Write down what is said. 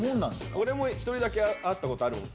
俺も一人だけ会ったことあるもん。